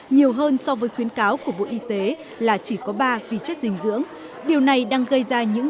nhiều hơn so với khuyến cáo của bộ y tế là chỉ có ba vi chất dinh dưỡng điều này đang gây ra những